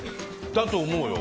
だと思うよ。